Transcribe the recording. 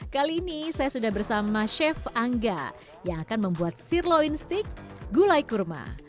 kali ini saya sudah bersama chef angga yang akan membuat sirloin steak gulai kurma